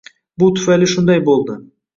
Bu tufayli shunday bo’ldi.